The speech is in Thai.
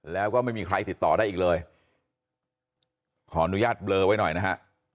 แล้วก็ไม่มีใครติดต่อได้อีกเลยขออนุญาตเบลอไว้หน่อยนะฮะ